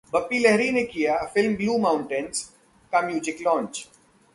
बप्पी लहरी ने किया film 'blue mountains' का म्यूजिक लॉन्च